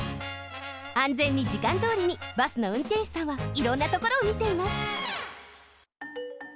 あんぜんにじかんどおりにバスの運転手さんはいろんなところをみています